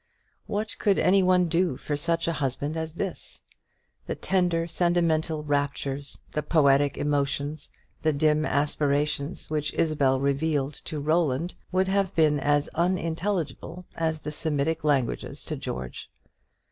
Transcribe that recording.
What could any one do for such a husband as this? The tender sentimental raptures, the poetic emotions, the dim aspirations, which Isabel revealed to Roland, would have been as unintelligible as the Semitic languages to George.